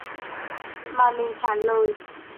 Mà mình trả lời